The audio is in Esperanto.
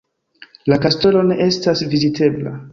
La kastelo ne estas vizitebla.